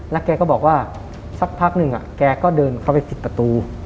แกก็บอกว่าสักพักหนึ่งแกก็เดินเข้าไปปิดประตู